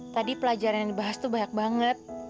tadi pelajaran yang dibahas tuh banyak banget